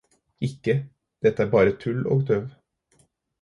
Ikke, dette er bare tull og tøv